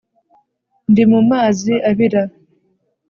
Ndi mu mazi abira